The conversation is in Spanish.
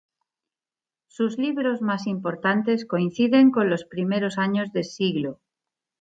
Sus libros más importantes coinciden con los primeros años de siglo.